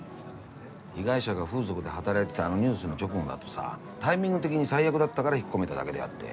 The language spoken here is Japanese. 被害者が風俗で働いてたあのニュースの直後だとさタイミング的に最悪だったから引っ込めただけであって。